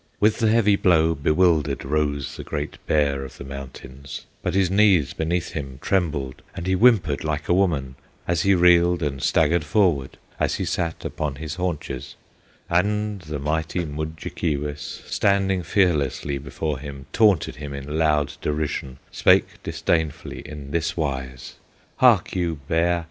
With the heavy blow bewildered, Rose the Great Bear of the mountains; But his knees beneath him trembled, And he whimpered like a woman, As he reeled and staggered forward, As he sat upon his haunches; And the mighty Mudjekeewis, Standing fearlessly before him, Taunted him in loud derision, Spake disdainfully in this wise: "Hark you, Bear!